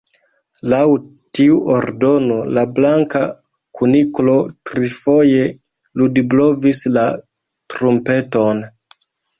Laŭ tiu ordono, la Blanka Kuniklo trifoje ludblovis la trumpeton.